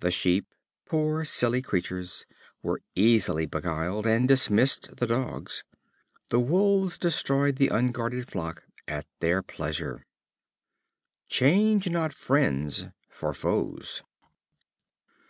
The sheep, poor silly creatures! were easily beguiled, and dismissed the Dogs. The Wolves destroyed the unguarded flock at their pleasure. Change not friends for foes.